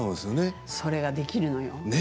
それができるのよ。